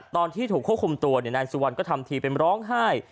ตอนที่ถูกควบคุมตัวนายสุวรรณก็ทำทีเป็นร้องไห้